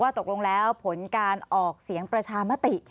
ตกลงแล้วผลการออกเสียงประชามติ